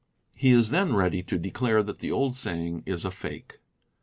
He is then ready to declare that the old saying is a "fake."